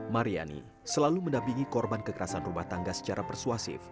mariani selalu mendampingi korban kekerasan rumah tangga sehingga